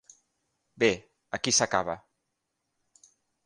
Bé, aquí s"acaba.